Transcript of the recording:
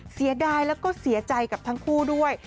เสียดายแล้วก็เสียใจกับทั้งคู่ด้วย